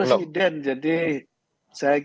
jadi saya kira tidak tepat kalau kita bahas haknya orang